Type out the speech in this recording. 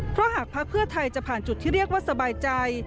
เพราะหากพักเพื่อไทยจะผ่านจุดที่เรียกว่าสบายใจ